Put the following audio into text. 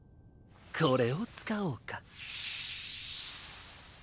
これをつかおうか。